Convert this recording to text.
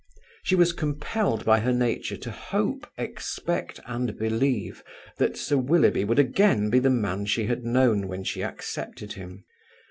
She was compelled by her nature to hope, expect and believe that Sir Willoughby would again be the man she had known when she accepted him.